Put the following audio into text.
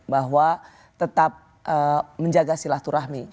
bahwa tetap menjaga silaturahmi